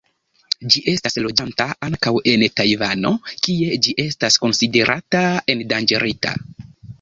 Ĝi estas loĝanta ankaŭ en Tajvano, kie ĝi estas konsiderata endanĝerita.